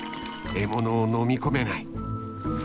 獲物を飲み込めない。